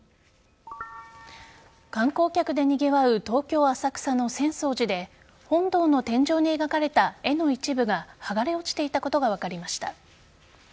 観光客でにぎわう東京・浅草の浅草寺で本堂の天井に描かれた絵の一部が剥がれ落ちていたことが分かりました。